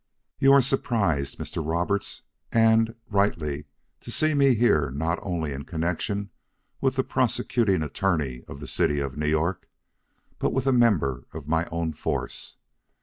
"You are surprised, Mr. Roberts, and rightly, to see me here not only in connection with the Prosecuting Attorney of the City of New York, but with a member of my own force.